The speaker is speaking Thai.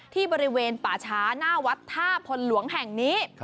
ที่บริเวณป่าช้าหน้าวัดท่าพลหลวงแห่งนี้